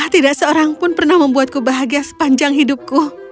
tidak seorang pun pernah membuatku bahagia sepanjang hidupku